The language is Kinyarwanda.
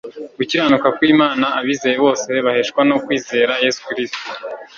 gukiranuka kw'imana abizeye bose baheshwa no kwizera yesu kristo